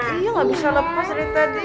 iya nggak bisa lepas dari tadi